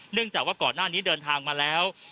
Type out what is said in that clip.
จากว่าก่อนหน้านี้เดินทางมาแล้ว